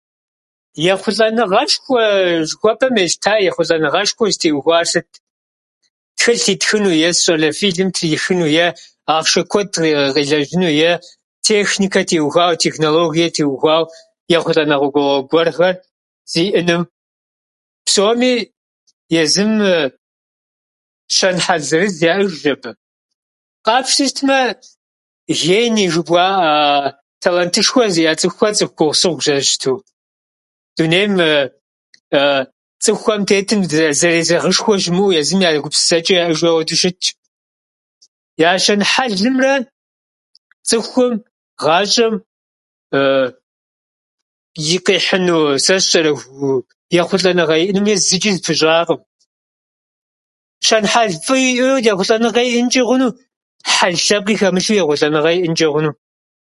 Ехъулӏэныгъэшхуэ жыхуэпӏэм елъыта. Ехъулӏэныгъэшхуэр зытеухуар сыт? Тхылъ итхыну, е, сэ сщӏэрэ, филм трихыну, е ахъшэ куэд къигъэ- къилэжьыну, е техникэ теухуауэ, технологие теухуауэ ехъулӏэныгъэ гуэ- гуэрхэр иӏэным. Псоми езым щэнхьэл зырыз яӏэжщ абы. Къапщтэу щытмэ, гений жыхуаӏэ а талантышху зиӏэ цӏыхухьэр цӏыху гугъусыгъущ зэрыщыту. Дунейм цӏыхухьэм тетым зыре- зэрезэгъышхуэ щымыӏэу, езым я гупсысэчӏэ яӏэжу ауэду щытщ. Я щэнхьэлымрэ цӏыхум гъащӏэм и къихьыну, сэ сщӏэрэ, ехъулӏэныгъэ иӏэнуми зычӏи зэпыщӏакъым. Щэнхьэл фӏыи иӏэу ехъулӏэныгъэ иӏэнчӏи хъуну, хьэл лъэпкъи хэмылъу ехъулӏэныгъэ иӏэнчӏи хъуну.